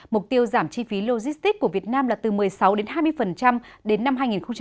mục tiêu giảm chi phí logistics của việt nam là từ một mươi sáu đến hai mươi đến năm hai nghìn hai mươi năm